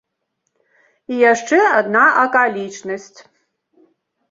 І яшчэ адна акалічнасць.